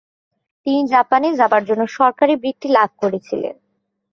তিনি জাপানে যাবার জন্য সরকারি বৃত্তি লাভ করেছিলেন।